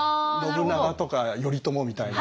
信長とか頼朝みたいな。